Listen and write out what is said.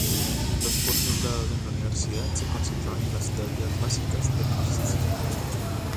Los cursos dados en la universidad se concentraban en las teorías básicas del marxismo.